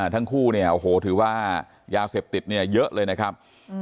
ทั้งคู่เนี่ยโอ้โหถือว่ายาเสพติดเนี่ยเยอะเลยนะครับ